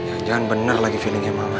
ah jangan jangan benar lagi feelingnya mama